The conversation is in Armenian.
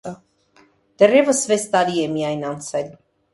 դեռևս վեց տարի է միայն անցել: